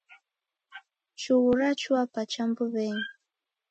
Chughu rachua pacha mbuw'enyi